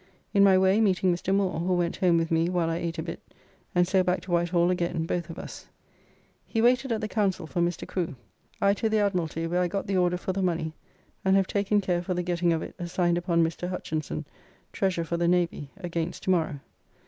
In my way meeting Mr. Moore, who went home with me while I ate a bit and so back to Whitehall again, both of us. He waited at the Council for Mr. Crew. I to the Admiralty, where I got the order for the money, and have taken care for the getting of it assigned upon Mr. Hutchinson, Treasurer for the Navy, against tomorrow.